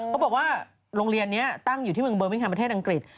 เขาบอกว่าโรงเรียนนี้ตั้งอยู่ที่เมืองเบอร์มิแคมประเทศอังกฤษ